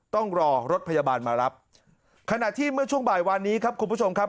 ต้องรอรถพยาบาลมารับขณะที่เมื่อช่วงบ่ายวานนี้ครับคุณผู้ชมครับ